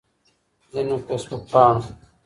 ځينو فيسبوک پاڼو